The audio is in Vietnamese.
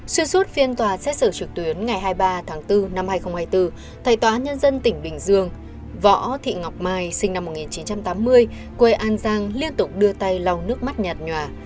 xuyên suốt phiên tòa xét xử trực tuyến ngày hai mươi ba tháng bốn năm hai nghìn hai mươi bốn thầy tòa nhân dân tỉnh bình dương võ thị ngọc mai sinh năm một nghìn chín trăm tám mươi quê an giang liên tục đưa tay lau nước mắt nhạt nhòa